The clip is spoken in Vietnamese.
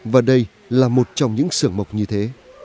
và đây là một trong những xưởng mộc như thế